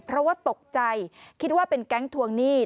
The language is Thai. เพราะว่าตกใจคิดว่าเป็นแก๊งทวงหนี้